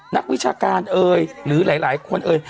นักวิชาการเอ่ยหรือหลายคนเอ่ย